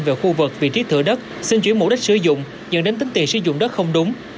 về khu vực vị trí thửa đất xin chuyển mục đích sử dụng dẫn đến tính tiền sử dụng đất không đúng